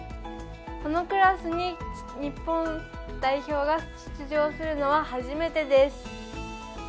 このクラスに日本代表が出場するのは初めてです。